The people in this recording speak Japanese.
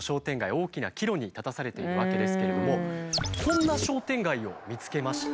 大きな岐路に立たされているわけですけれどもこんな商店街を見つけました。